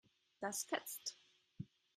Das fetzt.